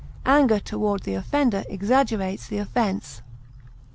Anger toward the offender exaggerates the offense.